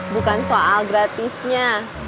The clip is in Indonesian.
bukan soal gratisnya